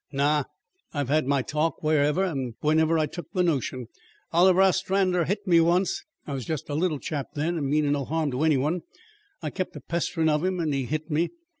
"Naw; I've had my talk wherever and whenever I took the notion. Oliver Ostrander hit me once. I was jest a little chap then and meanin' no harm to any one. I kept a pesterin' of 'im and he hit me.